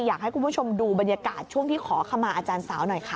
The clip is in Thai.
อยากให้คุณผู้ชมดูบรรยากาศช่วงที่ขอขมาอาจารย์สาวหน่อยค่ะ